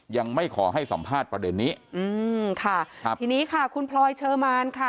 ยังไม่ขอให้สัมภาษณ์ประเด็นนี้อืมค่ะครับทีนี้ค่ะคุณพลอยเชอร์มานค่ะ